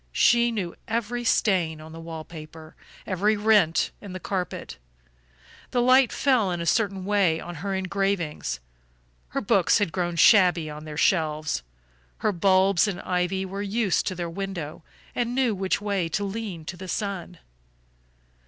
She knew every stain on the wall paper, every rent in the carpet; the light fell in a certain way on her engravings, her books had grown shabby on their shelves, her bulbs and ivy were used to their window and knew which way to lean to the sun.